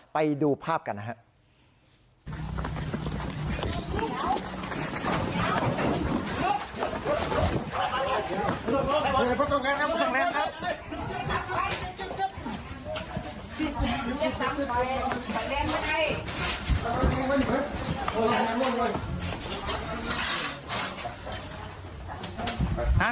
ไปดูภาพกันนะครับ